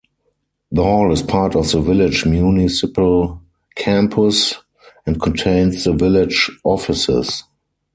The hall is part of the village municipal campus, and contains the village offices.